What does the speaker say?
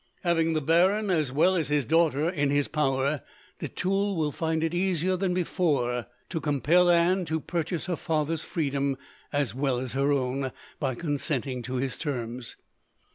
Having the baron as well as his daughter in his power, de Tulle would find it easier than before to compel Anne to purchase her father's freedom, as well as her own, by consenting to his terms.